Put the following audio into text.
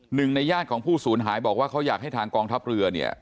หนึ่งในญาติของผู้สูญหายบอกว่าเขาอยากให้ทางกองทัพเรือเนี่ย